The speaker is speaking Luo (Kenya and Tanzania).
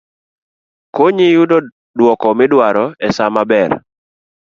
konyi yudo dwoko midwaro e sa maber